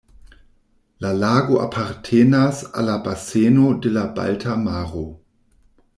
La lago apartenas al la baseno de la Balta Maro.